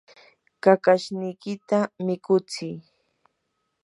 kakashniykita mikutsii